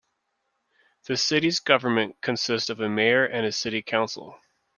The city's government consists of a mayor and a city council.